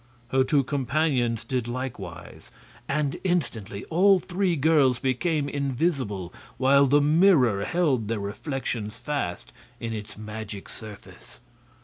Her two companions did likewise, and instantly all three girls became invisible, while the mirror held their reflections fast in its magic surface.